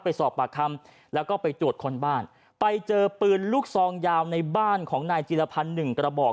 ไปสอบปากคำแล้วก็ไปตรวจคนบ้านไปเจอปืนลูกซองยาวในบ้านของนายจีรพันธ์หนึ่งกระบอก